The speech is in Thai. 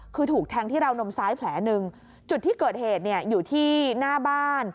คือถูกแทงที่ราวนมซ้ายแผลหนึ่งจุดที่เกิดเหตุเนี่ยอยู่ที่หน้าบ้าน